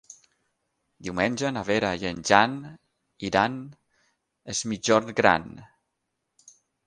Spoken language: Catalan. Diumenge na Vera i en Jan iran a Es Migjorn Gran.